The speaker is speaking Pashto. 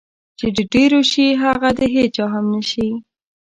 چې د ډېرو شي هغه د هېچا هم نشي.